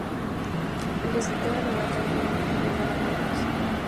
El resultado de la batalla no dejó lugar a dudas.